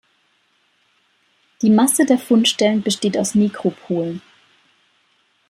Die Masse der Fundstellen besteht aus Nekropolen.